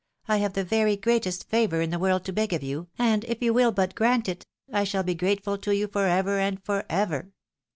I have the very greatest favour in the world to beg of you, and if you will but grant it, I shall be grateful to you for ever and for ever